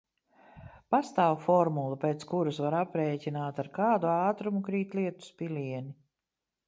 Pastāv formula, pēc kuras var aprēķināt, ar kādu ātrumu krīt lietus pilieni.